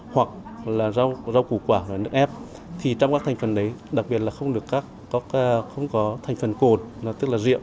hoặc là rau củ quả nước ép thì trong các thành phần đấy đặc biệt là không có thành phần cồn tức là rượu